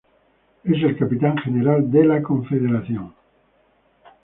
Es el Capitán General de la Confederación.